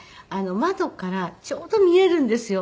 窓からちょうど見えるんですよ